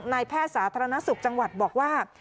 แพทย์สาธารณสุขจังหวัดบอกว่า